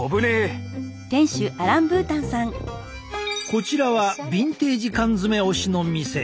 こちらはビンテージ缶詰推しの店！